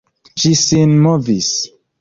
Ŝi sinmovis.